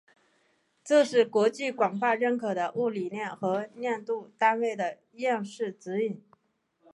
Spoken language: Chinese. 这是国际广泛认可的物理量和量度单位的样式指引。